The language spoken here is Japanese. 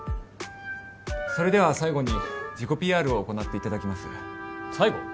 それでは最後に自己ＰＲを行っていただきます最後？